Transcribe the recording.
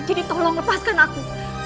jadi tolong lepaskan aku